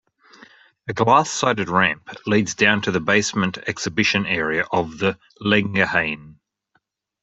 A glass-sided ramp leads down to the basement exhibition area of the Lengerhane.